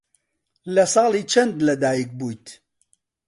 لە ساڵی چەند لەدایک بوویت؟